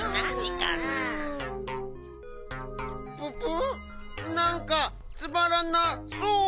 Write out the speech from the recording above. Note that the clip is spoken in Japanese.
ププなんかつまらなそう！